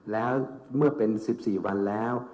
แล้วเมื่อเป็น๑๔วันแล้ว